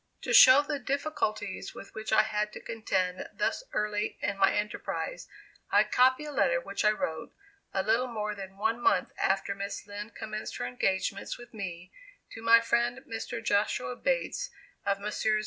To show the difficulties with which I had to contend thus early in my enterprise, I copy a letter which I wrote, a little more than one month after Miss Lind commenced her engagement with me, to my friend Mr. Joshua Bates, of Messrs.